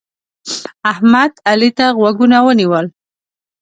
احمد؛ علي ته غوږونه ونیول.